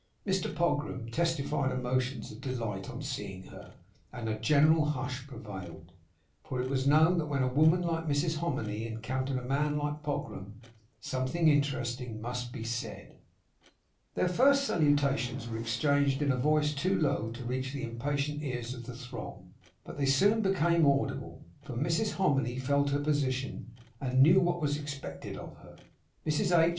Mr Pogram testified emotions of delight on seeing her, and a general hush prevailed. For it was known that when a woman like Mrs Hominy encountered a man like Pogram, something interesting must be said. Their first salutations were exchanged in a voice too low to reach the impatient ears of the throng; but they soon became audible, for Mrs Hominy felt her position, and knew what was expected of her. Mrs H.